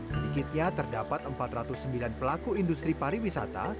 sedikitnya terdapat empat ratus sembilan pelaku industri pariwisata